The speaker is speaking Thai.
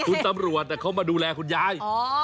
ไม่ใช่คุณตำรวจแต่เขามาดูแลคุณยาย